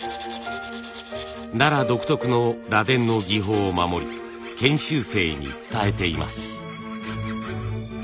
奈良独特の螺鈿の技法を守り研修生に伝えています。